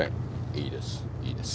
いいです。